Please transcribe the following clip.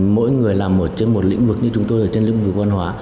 mỗi người làm ở trên một lĩnh vực như chúng tôi ở trên lĩnh vực văn hóa